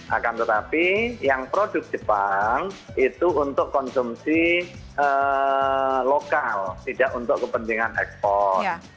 akan tetapi yang produk jepang itu untuk konsumsi lokal tidak untuk kepentingan ekspor